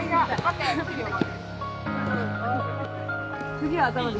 次は頭で。